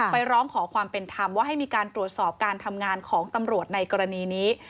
ร้องขอความเป็นธรรมว่าให้มีการตรวจสอบการทำงานของตำรวจในกรณีนี้